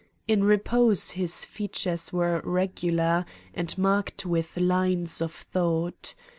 In repose his features were regular, and marked with lines of thought.